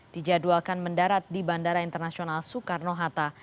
dijadwalkan mendarat di bandara internasional soekarno hatta